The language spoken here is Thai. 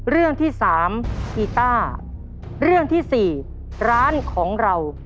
เรื่องที่สามกีต้าเรื่องที่สี่ร้านของเรา